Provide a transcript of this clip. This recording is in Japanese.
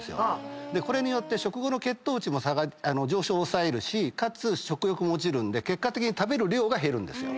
これによって食後の血糖値も上昇を抑えるしかつ食欲も落ちるんで結果的に食べる量が減るんです。